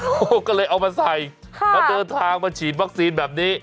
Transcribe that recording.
โอ้โหก็เลยเอามาใส่แล้วเดินทางมาฉีดวัคซีนแบบนี้